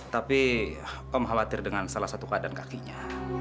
tapi kaum khawatir dengan salah satu keadaan kakinya